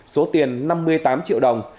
số tiền năm mươi tám triệu đồng